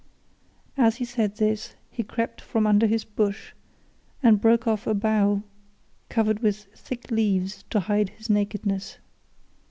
As he said this he crept from under his bush, and broke off a bough covered with thick leaves to hide his nakedness.